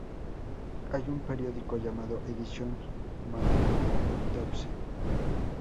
Hay un periódico llamado "Edición Mauthausen".